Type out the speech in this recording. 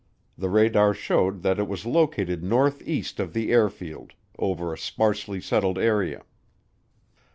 The radar showed that it was located northeast of the airfield, over a sparsely settled area.